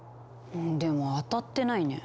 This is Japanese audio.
うんでも当たってないね。